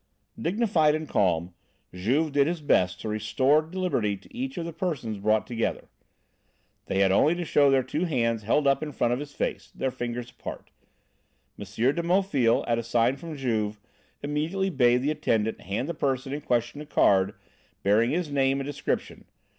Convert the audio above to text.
Dignified and calm, Juve did his best to restore liberty to each of the persons brought together. They had only to show their two hands held up in front of the face, the fingers apart. M. de Maufil, at a sign from Juve, immediately bade the attendant hand the person in question a card bearing his name and description.